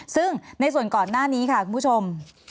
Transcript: ซึ่งในส่วนก่อนหน้านี้ค่ะคุณผู้ชม